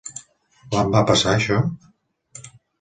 Quan va passar això?